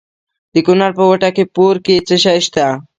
د کونړ په وټه پور کې څه شی شته؟